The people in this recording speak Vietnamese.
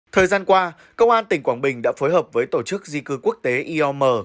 thời gian qua công an tỉnh quảng bình đã phối hợp với tổ chức di cư quốc tế iom